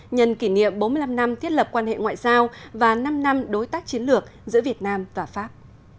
nhân kỷ niệm bốn mươi năm năm thiết lập quan hệ ngoại giao và năm năm đối tác chiến lược giữa việt nam và pháp